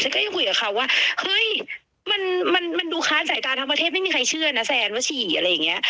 ก็ยังคุยกับเขาว่าเฮ้ยมันดูค้าสายตาทั้งประเทศไม่มีใครเชื่อนะแซนว่าฉี่อะไรอย่างนี้